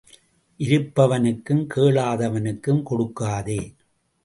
இருப்பவனுக்கும் கேளாதவனுக்கும் கொடுக்காதே.